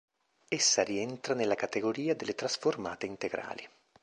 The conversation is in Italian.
Essa rientra nella categoria delle trasformate integrali.